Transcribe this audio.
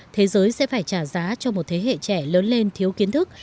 thế giới sẽ phải trả giá cho một thế hệ trẻ lớn lên thiếu kiến thức